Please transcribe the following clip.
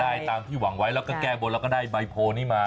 ได้ตามที่หวังไว้แล้วก็แก้บนแล้วก็ได้ใบโพลนี้มา